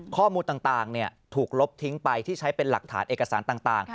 ข้อมูลต่างถูกลบทิ้งไปที่ใช้เป็นหลักฐานเอกสารต่าง